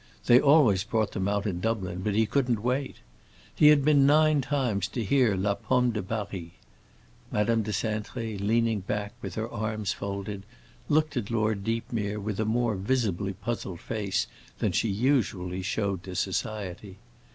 They always brought them out in Dublin, but he couldn't wait. He had been nine times to hear La Pomme de Paris. Madame de Cintré, leaning back, with her arms folded, looked at Lord Deepmere with a more visibly puzzled face than she usually showed to society.